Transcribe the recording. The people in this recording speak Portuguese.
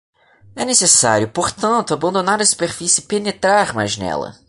É necessário, portanto, abandonar a superfície e penetrar mais nela.